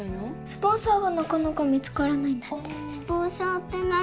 スポンサーがなかなか見つからないんだってスポンサーって何？